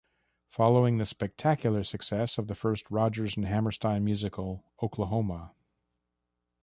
Following the spectacular success of the first Rodgers and Hammerstein musical, Oklahoma!